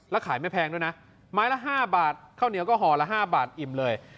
แล้วขายไม่แพงด้วยนะไม้ละ๕บาทข้าวเหนียวก็ห่อละ๕บาทอิ่มเลย